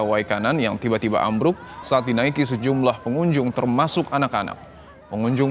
wai kanan yang tiba tiba ambruk saat dinaiki sejumlah pengunjung termasuk anak anak pengunjung